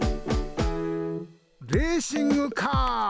レーシングカー！